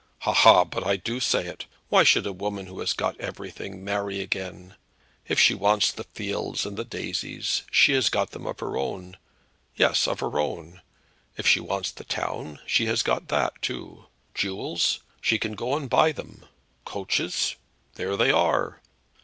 "Ha, ha! but I do say it. Why should a woman who has got everything marry again? If she wants de fields and de daisies she has got them of her own yes, of her own. If she wants de town, she has got that too. Jewels, she can go and buy them. Coaches, there they are.